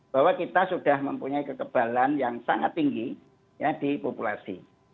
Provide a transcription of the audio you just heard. bahwa kita sudah mempunyai kekebalan yang sangat tinggi di populasi